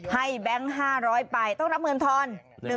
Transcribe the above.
แบงค์๕๐๐ไปต้องรับเงินทอน